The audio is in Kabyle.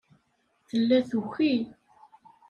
Tella tuki.